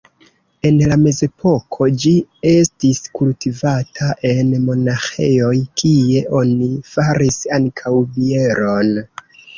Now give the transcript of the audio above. En la mezepoko ĝi estis kultivata en monaĥejoj, kie oni faris ankaŭ bieron.